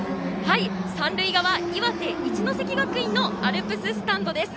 三塁側、岩手・一関学院のアルプススタンドです。